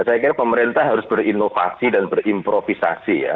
saya kira pemerintah harus berinovasi dan berimprovisasi ya